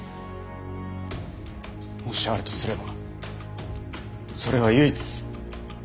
もしあるとすればそれは唯一。